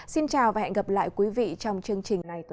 xin chào và hẹn gặp lại quý vị trong chương trình này tuần sau